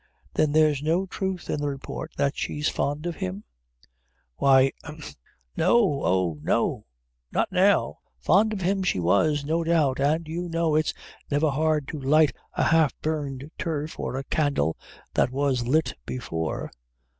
"Then there's no truth in the report that she's fond of him?" "Why ahem n no oh, no not now fond of him she was, no doubt; an' you know it's never hard to light a half burned turf, or a candle that was lit before.